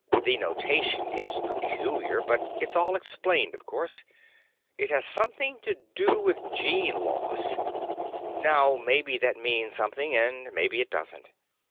The notation is peculiar, but it's all explained, of course. It has something to do with gene loss. Now, maybe that means something and maybe it doesn't.